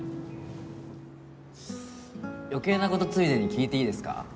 余計な事ついでに聞いていいですか？